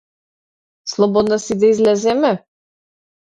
Слободна си да излеземе?